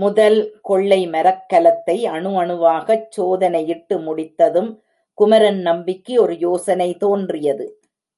முதல் கொள்ளை மரக்கலத்தை அணு அணுவாகச் சோதனையிட்டு முடித்ததும் குமரன் நம்பிக்கு ஒரு யோசனை தோன்றியது.